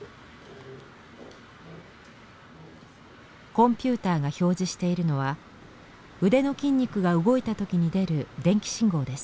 コンピューターが表示しているのは腕の筋肉が動いた時に出る電気信号です。